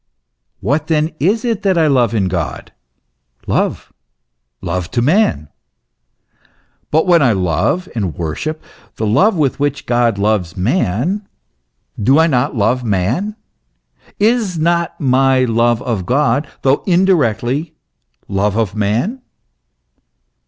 What, then, is it that I love in God ? Love : love to man. But when I love and worship the love with which God loves man, do I not love man ; is not my love of God, though THE MYSTERY OF THE INCARNATION. 57 indirectly, love of man